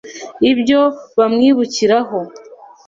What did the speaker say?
ibyo bamwibukiraho